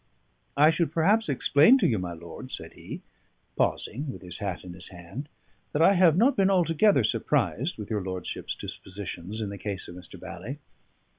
"I should perhaps explain to you, my lord," said he, pausing, with his hat in his hand, "that I have not been altogether surprised with your lordship's dispositions in the case of Mr. Bally.